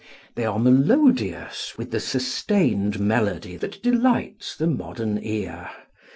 They are melodious with the sustained melody that delights the modern ear.